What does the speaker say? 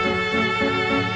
ya udah mbak